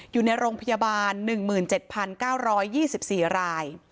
อยู่ในโรงพยาบาล๑๗๙๒๔ราย